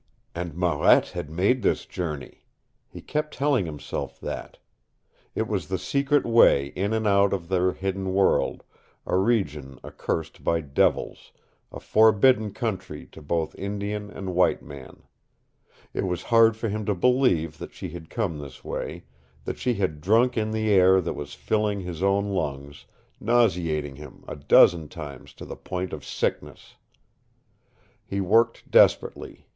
And Marette had made this journey! He kept telling himself that. It was the secret way in and out of their hidden world, a region accursed by devils, a forbidden country to both Indian and white man. It was hard for him to believe that she had come this way, that she had drunk in the air that was filling his own lungs, nauseating him a dozen times to the point of sickness. He worked desperately.